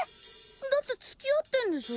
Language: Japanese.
だってつきあってんでしょ？